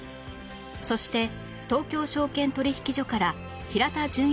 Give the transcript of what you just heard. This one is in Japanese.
そして東京証券取引所から平田淳一記者です